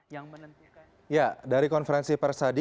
ya dari konferensi persadi